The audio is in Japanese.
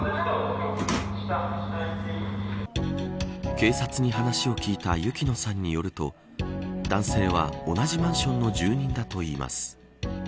警察に話を聞いた雪乃さんによると男性は同じマンションの住人だといいます。